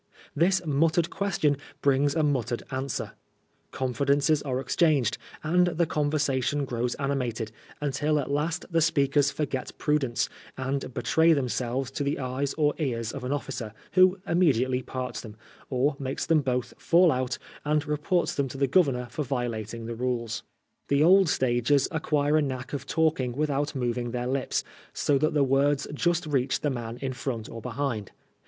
This muttered question brings a muttered 110 PRISONER FOR BLASPHEMY. answer. C6iifidenc<3s are exchanged, and the conver sation grows animated, until at last the speakers forget prudence, and betray themselves to the eyes or ears of an officer, who immediately parts them, or makes them both fall out, and reports them to the Governor for vio lating the rules. The old stagers acquire a knack of talking without moving their lips, so that the words just reach the man in front or behind.